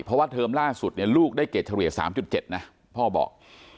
เพราะว่าเทอมล่าสุดเนี่ยลูกได้เกรดเฉลี่ย๓๗นะพ่อบอก